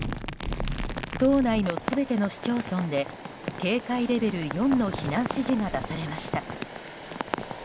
島内の全ての市町村で警戒レベル４の避難指示が出されました。